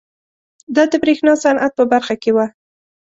دا د برېښنا صنعت په برخه کې وه.